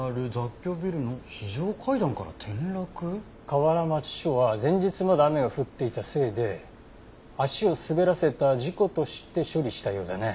河原町署は前日まで雨が降っていたせいで足を滑らせた事故として処理したようだね。